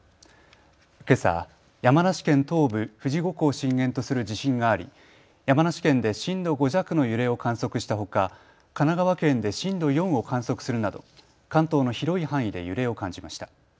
けさ、山梨県東部富士五湖を震源とする地震があり山梨県で震度５弱の揺れを観測したほか神奈川県で震度４を観測するなど関東の広い範囲で揺れを感じました。